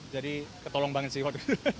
jadi ketolong banget sih waktu itu